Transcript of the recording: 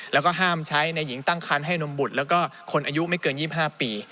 แล้วก็ห้ามใช้ในหญิงตั้งคันให้นมบุตรแล้วก็คนอายุไม่เกิน๒๕ปี